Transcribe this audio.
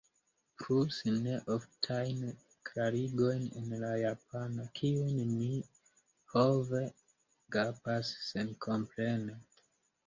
Plus neoftajn klarigojn en la japana, kiujn mi, ho ve, gapas senkomprene.